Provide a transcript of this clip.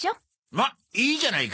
まあいいじゃないか。